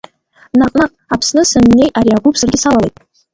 Наҟ-наҟ Аԥсны саннеи ари агәыԥ саргьы салалеит.